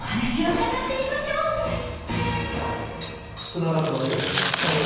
つながってますけどこの方